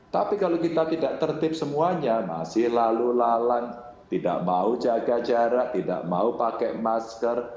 tapi kalau kita tidak tertip semuanya masih lalu lalang tidak mau jaga jarak tidak mau pakai masker